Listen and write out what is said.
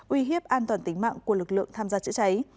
uy hiếp an toàn tính mạng của lực lượng tham gia chữa cháy